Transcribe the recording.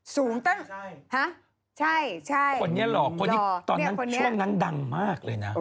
สูงตั้งฮะใช่หล่อนี่คนนี้คนนี้หล่อช่วงนั้นดังมากเลยนะ